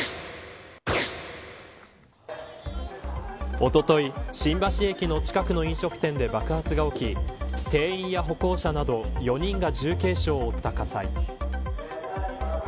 おととい、新橋駅の近くの飲食店で爆発が起き店員や歩行者など４人が重軽傷を負った火災。